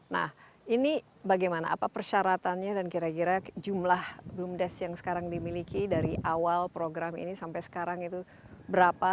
nah ini bagaimana apa persyaratannya dan kira kira jumlah bumdesk yang sekarang dimiliki dari awal program ini sampai sekarang itu berapa